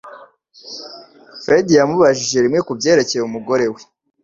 Fred yamubajije rimwe kubyerekeye umugore we,